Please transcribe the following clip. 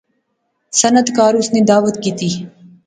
صنعتکار اس نی دعوت کیتی